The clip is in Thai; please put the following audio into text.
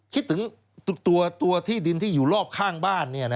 คิดถึงตัวที่ดินที่อยู่รอบข้างบ้าน